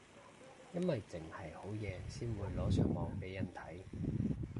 因為剩係好嘢先會擺上網俾人睇